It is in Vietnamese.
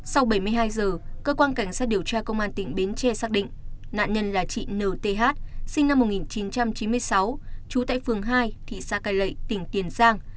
sau bảy mươi hai giờ cơ quan cảnh sát điều tra công an tỉnh bến tre xác định nạn nhân là chị n t h sinh năm một nghìn chín trăm chín mươi sáu chú tại phường hai thị xã cài lệ tỉnh tiền giang